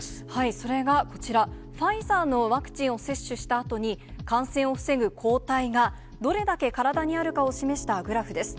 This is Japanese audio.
それがこちら、ファイザーのワクチンを接種したあとに、感染を防ぐ抗体がどれだけ体にあるかを示したグラフです。